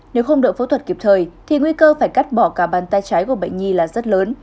nếu không được phẫu thuật kịp thời thì nguy cơ phải cắt bỏ cả bàn tay trái của bệnh nhi là rất lớn